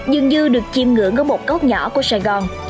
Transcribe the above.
dường như được chìm ngưỡng ở một góc nhỏ của sài gòn